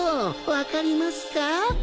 分かりますか？